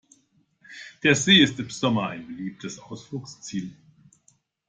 Der See ist im Sommer ein beliebtes Ausflugsziel.